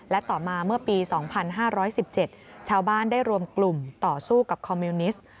และต่อมาเมื่อปี๒๕๑๗ชาวบ้านได้รวมกลุ่มต่อสู้กับคอมมิวนิสต์